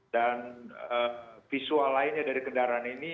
dan visual lainnya dari kendaraan ini